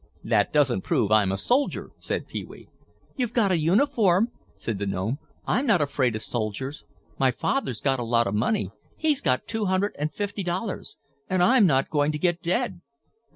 "That doesn't prove I'm a soldier," said Pee wee. "You've got a uniform," said the gnome. "I'm not afraid of soldiers. My father's got a lot of money, he's got two hundred and fifty dollars and I'm not going to get dead."